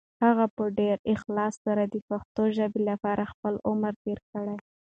هغه په ډېر اخلاص سره د پښتو ژبې لپاره خپل عمر تېر کړ.